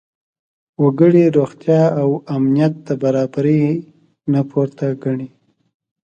وګړي روغتیا او امنیت د برابرۍ نه پورته ګڼي.